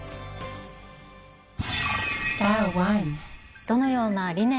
どのような理念の下